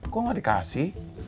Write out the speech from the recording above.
kok nggak dikasih